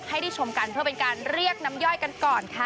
ให้ได้ชมกันเพื่อเป็นการเรียกน้ำย่อยกันก่อนค่ะ